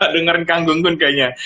dengerin kak gunggun kayaknya